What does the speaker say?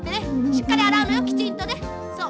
しっかりあらうのよきちんとね。